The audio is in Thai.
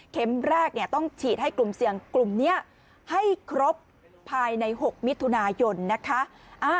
แรกต้องฉีดให้กลุ่มเสี่ยงกลุ่มนี้ให้ครบภายใน๖มิถุนายนนะคะ